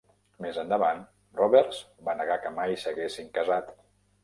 Més endavant, Roberts va negar que mai s'haguessin casat.